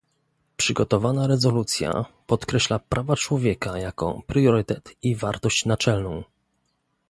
Przygotowana rezolucja podkreśla prawa człowieka jako priorytet i wartość naczelną